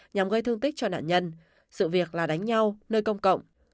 nhằm gây thương tích cho nạn nhân sự việc là đánh nhau nơi công cộng